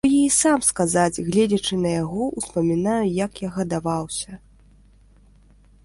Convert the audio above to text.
Бо я і сам, сказаць, гледзячы на яго, успамінаю, як я гадаваўся.